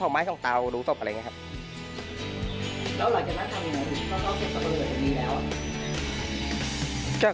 แล้วหลายคนมาทำอย่างไรหรือเข้าเต้าเต็มสะเบิดอย่างนี้แล้ว